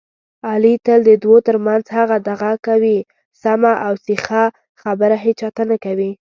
علي تل د دوو ترمنځ هغه دغه کوي، سمه اوسیخه خبره هېچاته نه کوي.